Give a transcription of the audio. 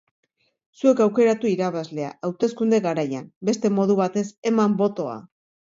Zuek aukeratu irabazlea, hauteskunde garaian, beste modu batez, eman botoa!